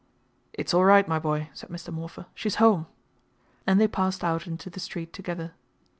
"It's all right, my boy," said Mr. Morpher. "She's home!" And they passed out into the street together.